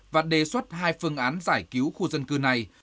và đề xuất hai phương án giải cứu khu dân cư này